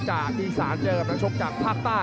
อีสานเจอกับนักชกจากภาคใต้